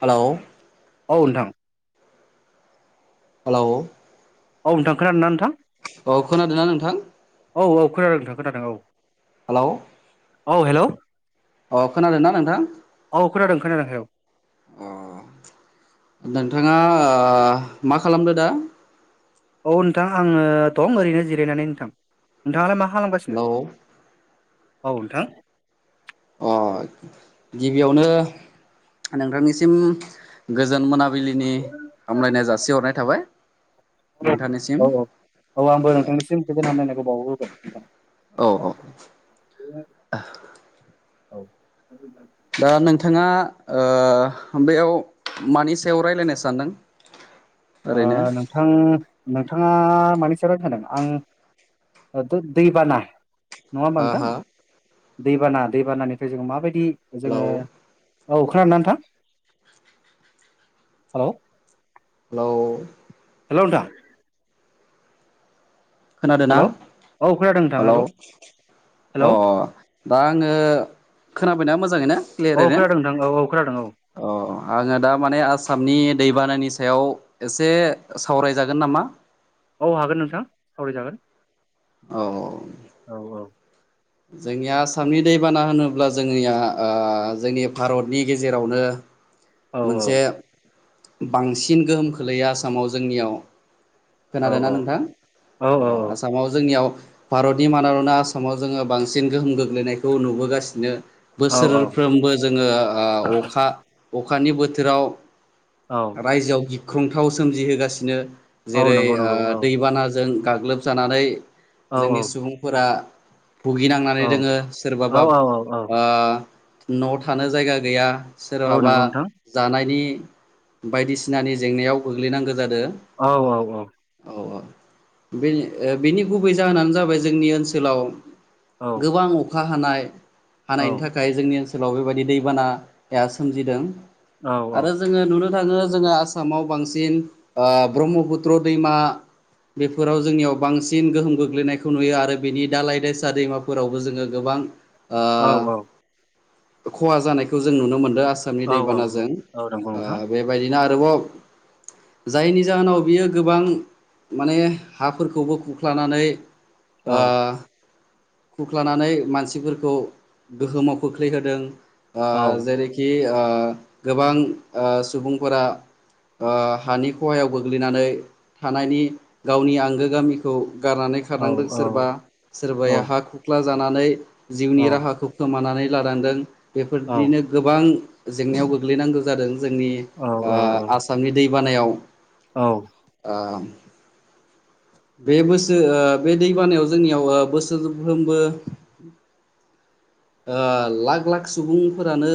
Hello औ नोंथां hello औ नोंथां खोनादों ना नोंथां औ खोनादों ना नोंथां औ औ खोनादों नोंथां खोनादों औ हेलौ औ हेलौ अ खोनादोंना नोंथां खोनादों औ अ नोंथाङा ओ मा खालामदो दा औ नोंथां आङो दं ओरैनो जिरायनानै नोंथां नोंथाङालाय मा मा खालामगासिनो हेलौ औ नोंथां अ गिबियावनो नोंथांनिसिम गोजोन मोना बिलिनि हामलायनाय जासिहरनाय थाबाय औ नोंथांनिसिम औ औ औ आंबो नोंथांनिसिम गोजोन हामलायनायखौ बावहरग्रो बाय नोंथां औ औ औ दा नोंथाङा ओ बेयाव मानि सायाव रायलायनो सानदों ओ ओरैनो नोंथां नोंथाङा मानि सायाव रायलायनो सानदों आं दैबाना नङा होमबा हा नोंथां हा दैबाना दैबानानिफ्राय जोङो माबायदि हेलौ जोङो औ खोनादोंना नोंथां हेलौ हेलौ हेलौ नोंथां खोनादों ना हेलौ औ खोनादों नोंथां हेलौ अ हेलौ दा आङो खोनाबायना मोजाङैनो औ क्लियारैनो खोनादों नोंथां औ औ खोनादों अ आङो दा माने आसामनि दैबानानि सायाव एसे सावरायजागोन नामा औ हागोन नोंथां सावरायजागोन औ औ औ जोंनिया आसामनि दैबाना होनोब्ला जोंनिया ओ जोंनि भारतनि गेजेरावनो औ मोनसे बांसिन गोहोम खोलैयो आसामाव जोंनियाव औ खोनादों ना नोंथां औ अ आसामाव जोंनियाव भारतनि मानावनो आसामाव जोङो बांसिन गोहोम गोग्लैनायखौ नुबोगासिनो औ बोसोरफ्रोमबो जोङो ओ अखा अखानि बोथोराव औ रायजोआव गिख्रंथाव सोमजिहोगासिनो औ जेरै नंगौ ओ नंगौ औ दैबाना जों गाग्लोबजानानै औ जोंनि सुबुंफोरा भुगिनांनानै औ दोङो सोरबाबा औ औ औ ओ न' थानो जायगा गैया औ सोरहाबा नंगौ नोंथां जानायनि बायदिसिनानि जेंनायाव गोग्लैनांगोन औ औ औ। बे ओ बिनि गुबै जाहोनानो जाबाय जोंनि ओनसोलाव औ गोबां अखा हानाय हानायनि थाखाय जोंनि ओनसो सोलाव बे बायदि दैबाना सोमजिदों। औ आरो जोङो नुनो थाङो जोंहा आसामाव बांसिन ओ ब्रह्मापुत्र दैमा बेफोराव जोंनियाव बांसिन गोहोम गोग्लैनायखौ नुयो आरो बेनि दालाय दैसा दैमा फोरावबो जोङो गोबां बां ओ खहा जानायखौ जों नुनो मोनदों आस औ दै बानाजों। औ औ नंगौ नोंथां ओ बे बायदिनो आरोबाव जायनि जाहोनाव बियो गोबां माने हा फोरखौबो खुरख्लानानै औ ओ खुरख्लानानै मानसिफोरखौ गोहोमाव खोख्लैहोदों। ओ औ जेरैखि ओ गोबां ओ सुबुंफोरा ओ हानि खहायाव गोग्लैनानै थानायनि गावनि आंगो गामिखौ गारनानै औ खारनांदों औ सोरबा सोरबाया हा खुख्ला जानानै जिउनि राहाखौ खोमानानै लानांदों बेफोरदिनो गोबां जेंनायाव गोग्लै नांगौ जादों जोंनि ओ औ आसामनि दै बानायाव। औ। ओ बे बोसोर ओ बे दै बानायाव जोंनियाव ओ बोसोरफ्रोमबो [inaudible] ओ लाख लाख सुबुंफोरानो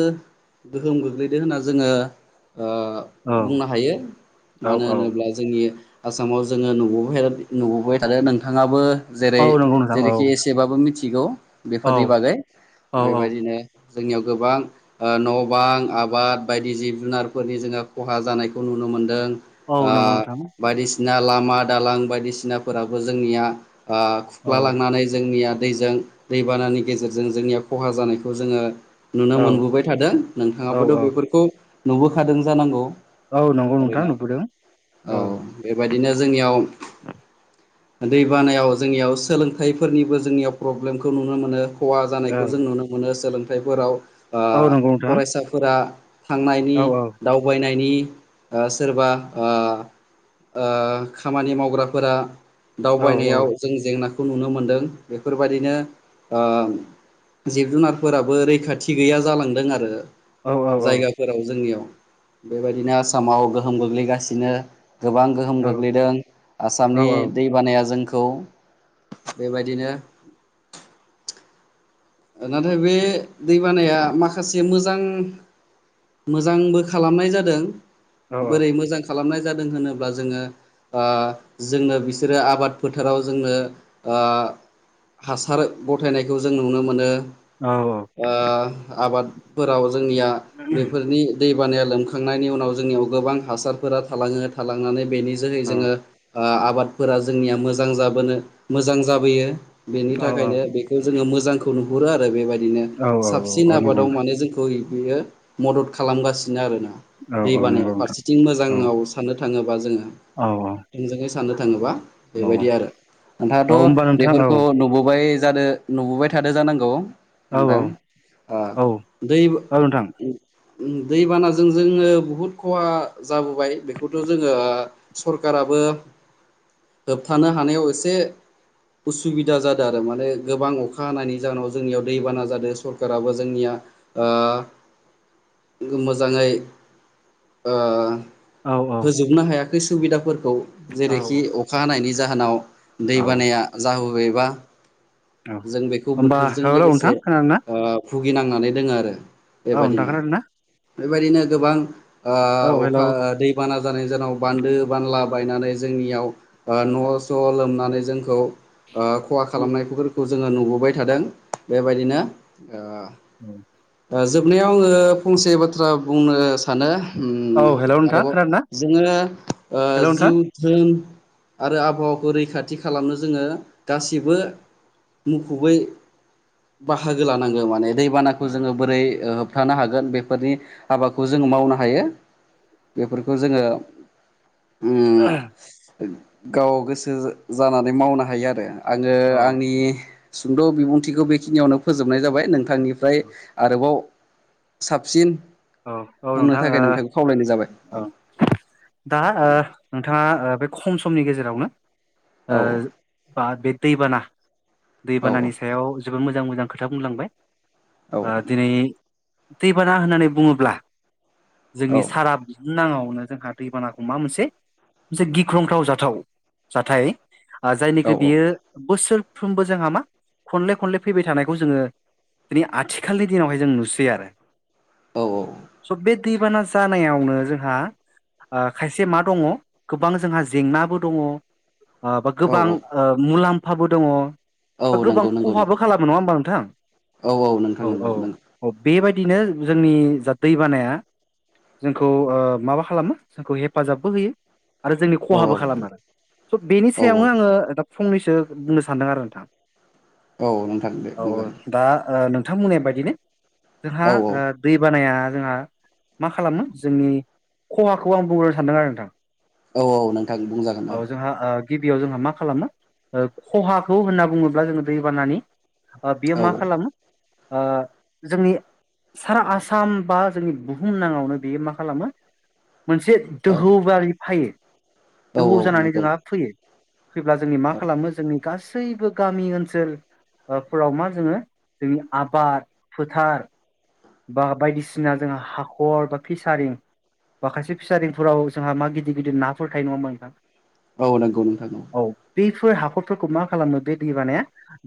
गोहोम गोग्लैदों होनना जोङो ओ बुंनो हायो। मानो नंगौ होनोब्ला जोंनि आसामाव जोङो नुबोबाय था नुबोबाय थादों नोंथाङाबो जेरै नोंथां जेरैखि औ एसे बाबो मिथिगौ बेफोरनि औ बागै औ बे बायदिनो जोंनियाव गोबां ओ न' बां आबाद बायदि जिब जुनारफोरनि जोंहा खहा जानायखौ नुनो मोनदों। औ ओ नंगौ नोंथां बायदिसिना लामा दालां बायदिसिना फोराबो जोंनिया ओ औ खुख्ला लांनानै जोंनिया दैजों दै बानानि गेजेरजों जोंनिया खहा जानायखौ जोङो नुनो औ मोनबोबाय थादों। औ नोंथाङाबोथ' औ बेफोरखौ नुबोखादों जानांगौ। औ नंगौ नोंथां ओरैनो नुबोदों औ बे बायदिनो जोंनियाव दै बानायाव जोंनियाव सोलोंथाइफोरनिबो जोंनियाव प्रब्लेमखौ नुनो मोनो। खहा औ जानायखौ जों नुनो मोनो सोलोंथाइफोराव ओ औ नंगौ नोंथां फरायसाफोरा थांनायनि औ औ दावबायनायनि ओ सोरबा ओ ओ खामानि मावग्राफोरा औ औ दावबायनायाव जों जेंनाखौ नुनो मोनदों। बेफोर बायदिनो ओ जिब जुनारफोराबो रैखाथि गैया जालांदों आरो। औ औ औ जायगाफोराव जोंनियाव बे बायदिनो आसामाव गोहोम गोग्लैगासिनो। गोबां गोहोम गोग्लैदों औ आसामनि दै बानाया जों खौ बे बायदिनो नाथाय बे दैबानाया माखासे मोज जां मोजांबो खालामनाय जादों औ बोरै मोजां खालामनाय जादों दों होनोब्ला जोङो ओ जोंनो बिसोरो आबाद फोथाराव जोंनो ओ हासार गथायनायखौ जों नुनो मोन नो। औ ओ आबादफोराव जोंनिया बेफोरनि दै बानाया लोमखांनायनि उनाव जोंनियाव गोबां हासारफोरा थालाङो थालांनानै बेनि जोहै जोङो ओ आबादफोरा जोंनिया मोजां जाबोनो मोजां जाबोयो। बेनि थाखायनो बेखौ जोङो मोजांखौ नुहुरो आरो बेबायदि बिदिनो औ साबसिन औ नंगौ आबादाव नोंथां माने जोंखौ बियो मदद खालामगासिनो आरो ना। औ दै औ नंगौ बानाया नोंथां फारसेथिं औ मोजाङाव साननो थाङोबा जोङो औ थोंजोङै साननो थाङोबा औ बेबायदि आरो नोंथाङाथ' होमबा नोंथां औ बेफोरखौ नुबोबाय जादो नुबोबाय थादो जानांगौ औ नोंथां ओ औ दैब औ नोंथां दैबानाजों जोङो बुहुद खहा जाबोबाय बेखौथ' जोङो सरकारा बो होबथानो हानायाव एसे उसुबिदा जादों आरो माने गोबां अखा अखा हानायनि जाहोनाव जोंनियाव दैबाना जादों सरखाराबो जोंनिया ओ मोजाङै ओ औ औ होजोबनो हायाखै सुबिदाफोर खौ औ जेरैखि अखा हानायनि जाहोनाव दै औ बानाया जाबोबायबा औ जों बेखौ होमबा बोथोरजों हेलौ नोंथां लोगोसे खोनादों ना ओ भुगिनांनानै दोङो आरो औ नोंथां बेबायदिनो खोनादोंना बेबायदिनो गोबां ओ हेलौ अखा दैबाना जानाय जाउनाव बानदो बानला बायनानै जोंनियाव ओ न'स लोमनानै जोंखौ ओ खहा खालामनायफोरखौ जों जोङो नुबोबाय थादों बेबायदिनो ओ औ ओ जोबनायाव आङो फंसे बाथ्रा बुंनो सानो औ उम हेलौ नोंथां आरोबाव खोनादों ना जोङो ओ हेलौ नोंथां जिउ धोन आरो आबहावाखौ रैखाथि खालामनो जोङो गासिबो मुखुबै बाहागो लानांगो माने दैबानाखौ औ जोङो बोरै होबथानो हागोन बेफोरनि हाबाखौ जोङो मावनो हायो बेफोरखौ जोङो उम ओह गाव गोसो जानानै मावनो हायो आरो आङो आंनि सुंद' बिबुंथिखौ बेखिनियावनो फोजोबनाय जाबाय नोंथांनिफ्राय आरोबाव साबसिन औ औ बुंनो नोंथां थाखाय ओ नोंथांखौ खावलायनाय जाय औ दा ओ नोंथाङा ओ बे खम समनि गेजेरावनो ओ औ बा बे दैबाना औ दैबानानि सायाव जोबोद मोजां - मोजां खोथा बुंलांबाय औ ओ दिनै दैबाना होननानै बुङोब्ला औ जोंनि साराब नाङावनो जोंहा दैबानाखौ मा मोनसे मोनसे गिख्रंथाव जाथाव जाथाय औ जायनिखि बियो बोसोरफ्रोमबो जोंहा मा खनले - खनले फैबाय थानायखौ जोङो दिनै आथिखालनि दिनावहाय जों नुसै आरो औ - औ स' बे दैबाना जानायावनो जोंहा ओ खायसे मा दङ गोबां जोंहा जेंनाबो दङ ओ बा औ गोबां ओ मुलाम्फाबो दङ औ बा गोबां नंगौ नंगौ खहाबो नोंथां खालामो नङा होमबा नोंथां औ नोंथां औ- नंगौ औ- नंगौ औ बेबायदिनो जोंनि जा दै बानाया जोंखौ ओ माबा खालामो जोंखौ हेफाजाबबो होयो आरो जोंनि औ खहाबो खालाम आरो स' बेनि औ सायावनो आङो फंनैसो बुंनो सानदों आरो नोंथाङा। औ नोंथां दे औ औ बुंजागोन दा नों नोंथमोननाय बायदिनो जोंहा औ ओ दै खाया जोंहा मा खालामो जोंनि खहाखौबो आं बुंनो सानदों आरो नोंथां औ औ नोंथां बुंजागोन औ जोंहा ओ गिबियाव जोंहा मा खालामो ओ खहाखौ होनना बुङोब्ला जोङो दैबानानि ओ बियो औ मा खालामो ओ जोंनि सारा आसा आसाम बा जोंनि बुहुम नाङावनो बियो मा खालामो मोनसे दोहौरि फायो औ दोहौ औ जानानै नंगौ जोंहा फैयो फैब्ला जोंनि मा खालामो जोंनि गा गासैबो गामि ओनसोल फोराव मा जोङो जोंनि आबाद फोथार बा बायदिसिना जोंहा हाखर बा फिसारिं माखासे फिसारिंफोराव जोंहा मा गिदिर गिदिर नाफोर थायो नङा होमबा नोंथां। औ नंगौ नोंथां औ। फोर हाखरफोरखौ मा खालामो बे दै बानाया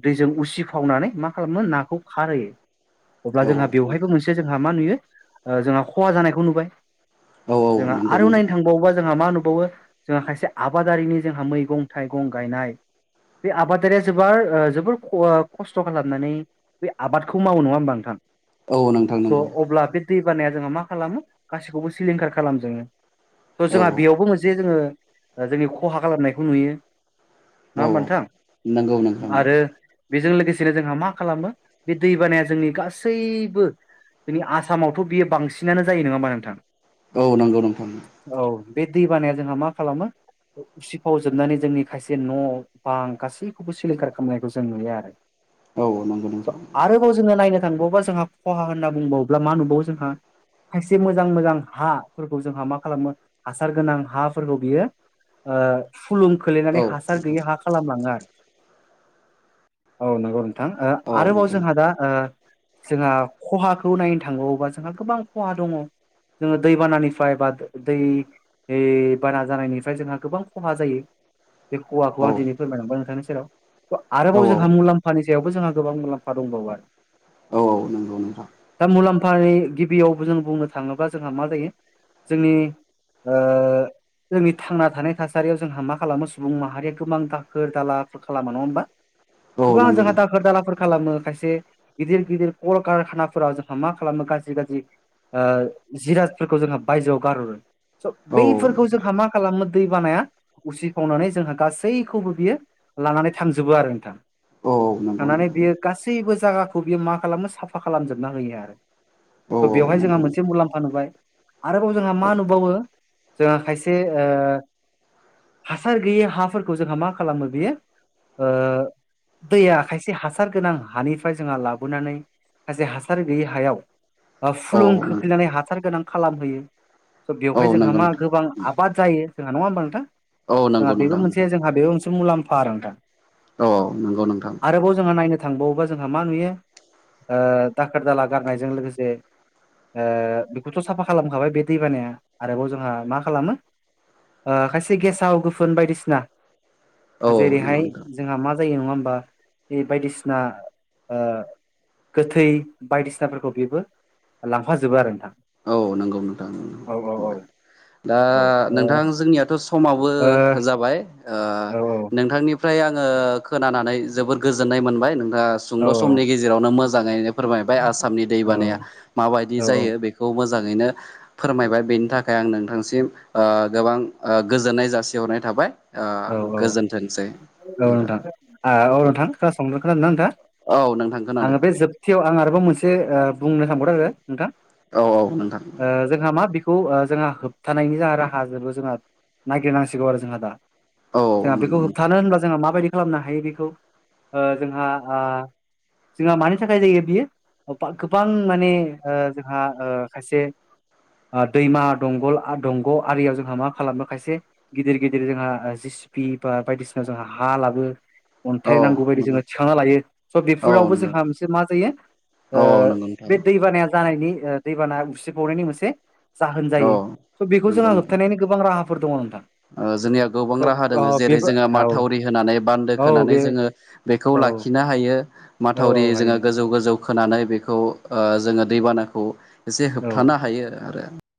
दैजों उसिफावनानै मा खालामो नाखौ खारहोयो अब्ला औ जोंहा बेवहायबो मोनसे जोंहा मा नुयो जोंहा खहा जानायखौ नुबाय औ औ जोंहा नंगौ आरो नोंथां नायनो थांबावोबा जोंहा मा होनो वो जोंहा खायसे आबादारिनि जोंहा मैगं थाइगं गायनाय बे आबादारिया जोबार ओ जोबोर ख आ खस्थ' खालामनानै बे आबादखौ मावो नङा होमबा नोंथां? औ नोंथां स' नंगौ अब्ला बे दै बानाया जोंहा मा खालामो गाैखौबो सिलिंखार खालामजोबो। स' औ जोंहा बेयावबो मोनसे जोङो ओ जोंनि खहा खालामनायखौ नुयो ना औ होमबा नोंथां? नंगौ नोंथां आरो बेजों लोगोसेनो जोंहा मा खालामो बे दैबानाया जोंनि गासै जोंनि आसामावथ' बियो बांसिनानो जायो नङा होमबा नोंथां? औ नंगौ नोंथां। औ बे दैबानाया जोंहा मा खालामो? उसिफाव जोबनानै जोंनि खायसे न' बां गासैखौबो सिलिंखार खालामनायखौ जों नुयो आरो। औ नंगौ स' नोंथां आरोबाव जोंङो नायनो थांबावोबा जोंहा खहा होनना बुंबावोब्ला मा नुबावो जोंहा खायसे मोजां मोजां हा फोरखौ जोंहा मा खालामो हासार गोनां हाफोरखौ बियो ओ खुलुम खोलैनानै औ हासार नोंथां गैयै हा खालामलाङो आरो औ नंगौ नों हो औ आरोबाव नंगौ जोंहा दा ओ जोंहा खहाखौ नायनो थाङोबावबा जोंहा गोबां खहा दङ जोङो दैबानानिफ्राय बा दो-दै ओइ बाना जानायनिफ्राय जोंहा गोबां खहा जायो बे खहाखौ आं औ दिनै फोरमायनांबाय नोंथांनि सेराव। [inaudible] आरोबाव औ औ जोंहा मुलाम्फानि सायावबो जोंहा गोबां मुलाम्फा दंबावो आरो। औ औ नों दा मुलाम्फाइ गिबियावबो जों बुंनो थाङोब्ला जोंहा मा जायो जोंनि ओ जोंनि थांना थानाय था सारियाव जोंहा मा खालामो सुबुं माहारिया गोबां दाखोर दालाफोर खालामो नङा होमबा? औ गोबां नंगौ जोंहा नोंथां दाखोर दालाफोर खालामो खायसे गिदिर गिदिर र्क कार खानाफोरा जोंहा मा खालामो गाज्रि गाज्रि ओ जिराजफोरखौ जोंहा बायजोआव गारहरो। स' औ बैफोरखौ जोंहा मा खालामो दै बानाया उसि खावनानै जोंहा गासैखौबो बियो लानानै थांजोबो आरो नोंथां। औ नंगौ थांनानै नोंथां बियो गासैबो जायगाखौ बियो मा खालामो साफा खालामजोबना होयो आरो। औ स' औ बेवहाय जोंहा नंगौ मोनसे मुलाम्फा नुबाय। आरोबाव जोंहा मा नुबावो जोंहा खायसे ओ हासार गैयै हाफोरखौ जोंहा मा खालामो बेयो ओ दैया खायसे हासार गोनां हानिफ्राय जोंहा लाबोनानै माखासे हासार गैयि हायाव औ फुलुं खोख्लैनानै हासार गोनां खालामहोयो स' बेवहाय जोंहा नंगौ मा गोबां आबाद जायो जोंहा नङा होमबा नोंथां औ नंगौ जोंहा बेबो नोंथां मोनसे जोंहा बेबो मोनसे मुलाम्फा आरो नोंथां औ - औ नंगौ नोंथां आरोबाव जोंहा नायनो थांबावोबा जोंहा मा नुयो दाखोर दाला गारनायजों लोगोसे बेखौथ' साफा खालामखाबाय बे दैबानाया आरोबाव जोंहा मा खालामो खायसे गेसाव गोफुन बायदिसिना औ जेरैहाय नंगौ नोंथां जोंहा मा जायो नङा होमबा बे बायदिसिना ओ गोथै बायदिसिनाफोरखौ बेबो लांफाजोबो आरो नोंथां औ नंगौ नोंथां औ औ औ दा ओ ओ नोंथां जोंनियाथ' समाबो औ जाबाय। ओ औ नोंथांनिफ्राय आङो खोनानानै जोबोर गोजोननाय मोनबाय नोंथाङा औ सुंद' समनि गेजेरावनो मोजाङैनो फोरमायबाय आसामनि दैबानाया माबायदि औ जायो बे मोजाङैनो फोरमायबाय बेनि थाखाय आं नोंथांसिम ओ गोबां ओ गोजोननाय जासिहरनाय थाबाय ओ औ औ गोजोनथोंसै औ नोंथां औ नोंथां खोनासं खोनादोंना नोंथाङा औ नोंथां आङो खोनादों बे जोबथियाव आं आरोबाव मोनसे ओ बुंनो थांबावदों आरो नोंथां औ औ नोंथां जोंहा मा खौ जोंहा होबथानायनि राहाजोबो जोंहा नायगिरनांसिगौ आरो जोंहा दा औ औ जोंहा बेखौ नंगौ नोंथां होबथानो होनबा जोंङा माबायदि खालामनो हायो बेखौ ओ जोंहा ओ जोंहा मानि थाखाय जायो बियो गोबां माने ओ जोंहा ओ खायसे दैमा दंगल दंग' आरियाव जोंहा मा खालामो खायसे गिदिर गिदिर जोंहा जेसिपि बा बायदिसिना जोंहा हा लाबो अन्थाइ औ नांगौ बायदि नंगौ जोङो थिखांना लायो स' बेफोरावबो नंगौ जोंहा मोनसे मा जायो औ ओ औ नंगौ नोंथां बे दैबानाया जानायनि दैबाना उसिफावनायनि मोनसे जाहोन औ जायो स' बेखौ नंगौ जोंहा नोंथां होबथानायनि गोबां राहा फोर दङ नोंथां ओ जोंनिया गोबां स' राहा अ दोङो जेरै बेबो जोङो औ माथावरि होनानै बान्दो औ खोनानै बे जोङो बेखौ औ लाखिनो हायो औ माथावरि औ हायो जोङो नोंथां गोजौ गोजौ खोनानै बेखौ जोङो दैबानाखौ एसे औ। होबथानो हायो आरो